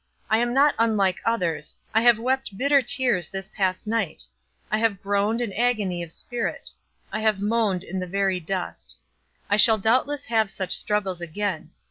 I am not unlike others; I have wept bitter tears this past night; I have groaned in agony of spirit; I have moaned in the very dust. I shall doubtless have such struggles again.